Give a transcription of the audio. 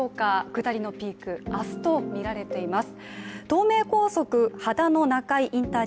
下りのピーク、明日とみられています。